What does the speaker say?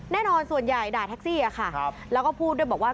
ส่วนใหญ่ด่าแท็กซี่ค่ะแล้วก็พูดด้วยบอกว่า